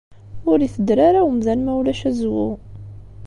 Ur itedder ara umdan ma ulac azwu.